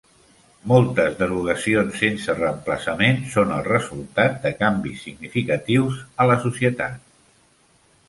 Moltes derogacions sense reemplaçament són el resultat de canvis significatius en la societat.